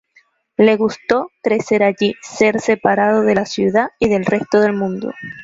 Le gustó "crecer allí, ser separado de la ciudad y del resto del mundo.